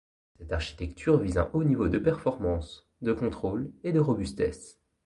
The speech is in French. Cette architecture vise un haut niveau de performance, de contrôle, et de robustesse.